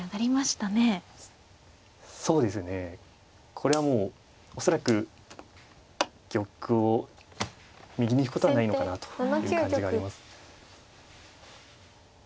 これはもう恐らく玉を右に行くことはないのかなという感じがあります。